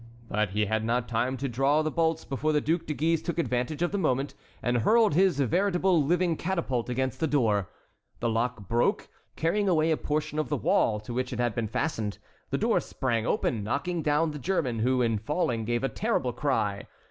But he had not time to draw the bolts before the Duc de Guise took advantage of the moment, and hurled his veritable living catapult against the door. The lock broke, carrying away a portion of the wall to which it had been fastened. The door sprang open, knocking down the German, who, in falling, gave a terrible cry.